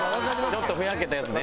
ちょっとふやけたやつね。